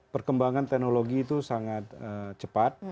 perkembangan teknologi itu sangat cepat